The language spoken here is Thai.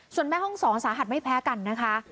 ส่วนแม่ห้องศรสาหัสไม่แพ้กันนะคะ